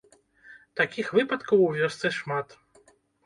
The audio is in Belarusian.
Такіх выпадкаў у вёсцы шмат.